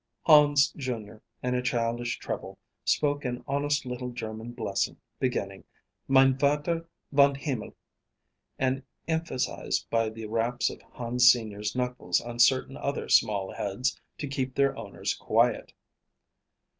Hans, junior, in a childish treble, spoke an honest little German blessing, beginning "Mein Vater von Himmel," and emphasized by the raps of Hans senior's knuckles on certain other small heads to keep their owners quiet.